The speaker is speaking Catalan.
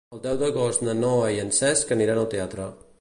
El deu d'agost na Noa i en Cesc aniran al teatre.